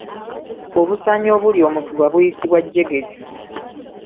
Obusaanyi obulya omutuba buyitibwa jjegeju.